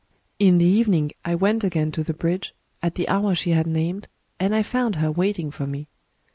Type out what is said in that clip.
"In the evening I went agsun to the bridge, at the hour she had named, and I found her waiting for me.